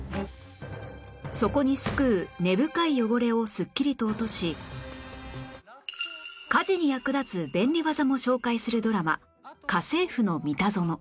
そこに巣くう根深い汚れをスッキリと落とし家事に役立つ便利技も紹介するドラマ『家政夫のミタゾノ』